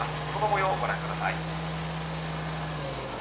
そのもようをご覧ください。